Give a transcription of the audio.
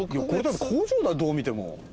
工場だどう見ても。